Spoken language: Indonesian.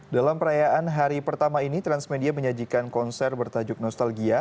dalam perayaan hari pertama ini transmedia menyajikan konser bertajuk nostalgia